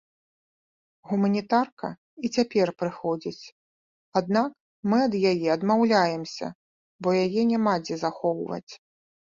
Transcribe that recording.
Гуманітарка і цяпер прыходзіць, аднак мы ад яе адмаўляемся, бо яе няма дзе захоўваць.